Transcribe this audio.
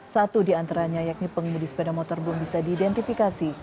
satu diantaranya yakni pengemudi sepeda motor belum bisa dihidupkan